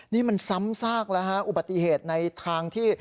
นี่มันซ้ำซากแล้วฮะอุบัติเหตุในทางที่